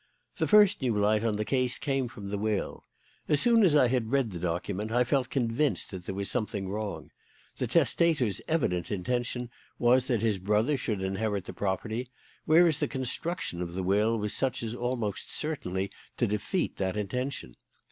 "The first new light on the case came from the will. As soon as I had read that document I felt convinced that there was something wrong. The testator's evident intention was that his brother should inherit the property, whereas the construction of the will was such as almost certainly to defeat that intention.